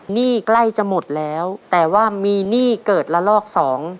หนี้ใกล้จะหมดแล้วแต่ว่ามีหนี้เกิดละลอกสอง